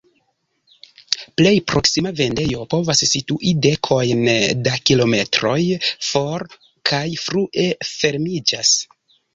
Plej proksima vendejo povas situi dekojn da kilometroj for kaj frue fermiĝas.